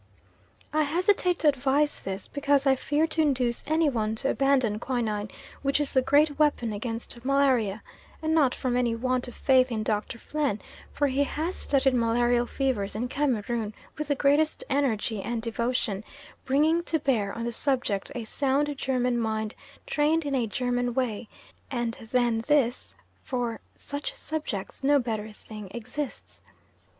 I hesitate to advise this, because I fear to induce any one to abandon quinine, which is the great weapon against malaria, and not from any want of faith in Dr. Plehn, for he has studied malarial fevers in Cameroon with the greatest energy and devotion, bringing to bear on the subject a sound German mind trained in a German way, and than this, for such subjects, no better thing exists.